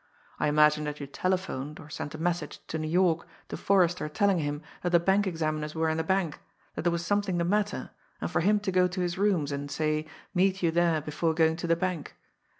I imagine that you telephoned, or sent a message, to New York to Forrester telling him that the bank examiners were in the bank, that there was something the matter, and for him to go to his rooms, and, say, meet you there before going to the bank.